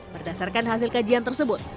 berdasarkan hasil kajian tersebut